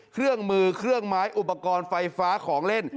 เครื่องมือเครื่องไม้อุปกรณ์ไฟฟ้าของเล่น